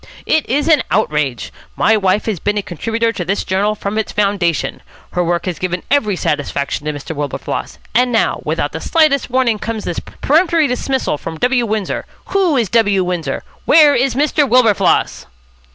"It is an outrage. My wife has been a contributor to this journal from its foundation. Her work has given every satisfaction to Mr. Wilberfloss. And now, without the slightest warning, comes this peremptory dismissal from W. Windsor. Who is W. Windsor? Where is Mr. Wilberfloss?"